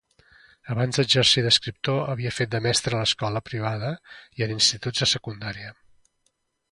Abans d'exercir d'escriptor, havia fet de mestre a l'escola privada i en instituts de secundària.